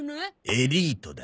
エリートだ。